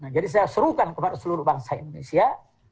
jadi saya serukan kepada seluruh bangsa indonesia